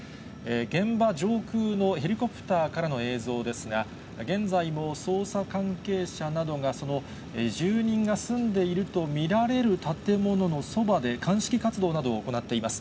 現場上空のヘリコプターからの映像ですが、現在も捜査関係者などが、その住人が住んでいると見られる建物のそばで、鑑識活動などを行っています。